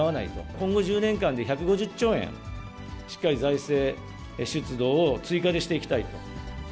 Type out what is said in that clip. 今後１０年間で１５０兆円、しっかり財政出動を追加でしていきたいと。